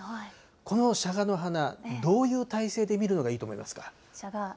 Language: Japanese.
このシャガの花、どういう体勢で見るのがいいと思いますか。